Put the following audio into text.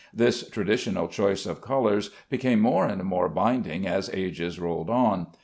This traditional choice of colors became more and more binding as ages rolled on.